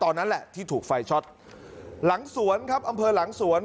นั่นแหละที่ถูกไฟช็อตหลังสวนครับอำเภอหลังสวน